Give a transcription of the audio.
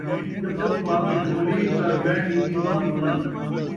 ڄمدو پاکے جھولی ، کر ویݨ ݙتی ماء لولی